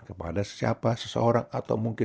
kepada siapa seseorang atau mungkin